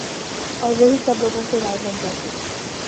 اور وہی سب لوگوں کی رائے بن جاتی